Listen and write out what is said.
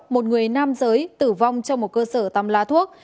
một người nam giới tử vong trong một cơ sở tăm lá thuốc